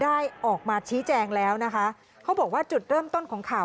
ได้ออกมาชี้แจงแล้วนะคะเขาบอกว่าจุดเริ่มต้นของข่าว